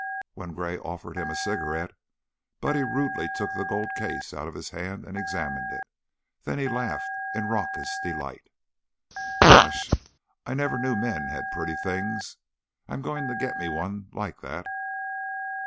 When Gray offered him a cigarette, Buddy rudely took the gold case out of his hand and examined it, then he laughed in raucous delight. "Gosh! I never knew men had purty things. I I'm goin' to get me one like that."